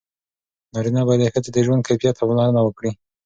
نارینه باید د ښځې د ژوند کیفیت ته پاملرنه وکړي.